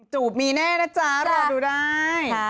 จูบมีแน่นะจ๊ะรอดูได้